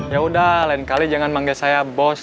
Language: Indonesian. yaudah lain kali jangan manggil saya bos